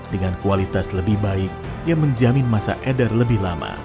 dengan kualitas lebih baik yang menjamin masa eder lebih lama